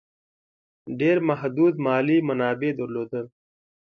ډېر محدود مالي منابع درلودل.